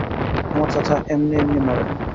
আমার চাচা এমনি এমনি মরেনি।